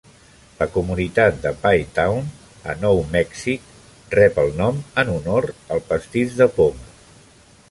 La comunitat Pie Town, a Nou Mèxic, rep el nom en honor al pastís de poma.